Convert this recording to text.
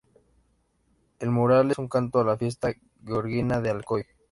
El mural es un canto a la fiesta georgina de Alcoy.